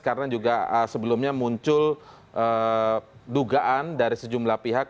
karena juga sebelumnya muncul dugaan dari sejumlah pihak